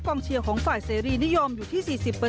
เชียร์ของฝ่ายเสรีนิยมอยู่ที่๔๐